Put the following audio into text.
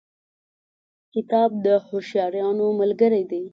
کتاب د هوښیارانو ملګری دی.